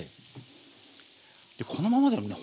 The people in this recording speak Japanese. このままでもね